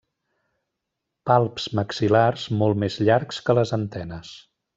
Palps maxil·lars molt més llargs que les antenes.